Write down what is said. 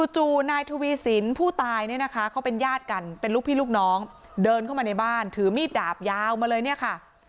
จู่นายทวีสินผู้ตายเนี่ยนะคะเขาเป็นญาติกันเป็นลูกพี่ลูกน้องเดินเข้ามาในบ้านถือมีดดาบยาวมาเลยเนี่ยค่ะ